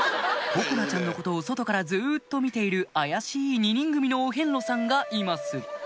心菜ちゃんのことを外からずっと見ている怪しい２人組のお遍路さんがいます